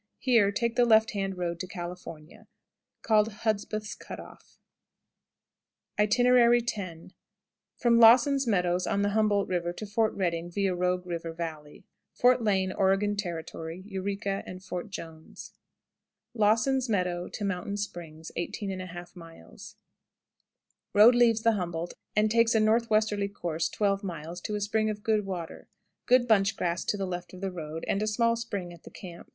Here take the left hand road to California, called Hudspeth's Cut off. X. _From Lawson's Meadows, on the Humboldt River, to Fort Reading, via Rogue River Valley, Fort Lane, Oregon Territory, Yreka, and Fort Jones._ Miles. Lawson's Meadows to 18 1/2. Mountain Spring. Road leaves the Humboldt, and takes a northwesterly course 12 miles to a spring of good water. Good bunch grass to the left of the road, and a small spring at the camp.